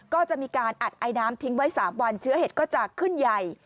ก็จะมีการอัดไอน้ำทิ้งไว้๓วันเชื้อเห็ดก็จะขึ้นใหญ่